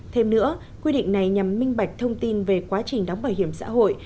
thêm nữa quy định này nhằm minh bạch thông tin về quá trình đóng bảo hiểm xã hội